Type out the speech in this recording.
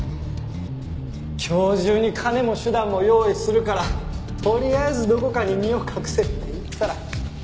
今日中に金も手段も用意するからとりあえずどこかに身を隠せって言ったら。